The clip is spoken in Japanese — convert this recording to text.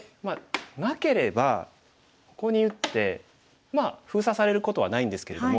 なければここに打って封鎖されることはないんですけれども。